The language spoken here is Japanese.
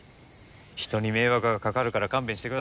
人に迷惑がかかるから勘弁してください。